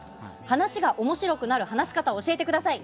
話が面白くなる話し方教えてください。